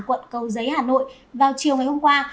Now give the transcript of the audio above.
quận cầu giấy hà nội vào chiều hôm qua